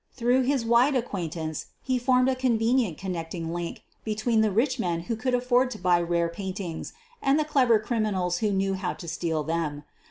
Through his wide acquaintance he formed a convenient connecting link between the rich men who could afford to buy rare paintings and the clever criminals who knew how to steal them.